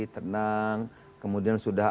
tenang kemudian sudah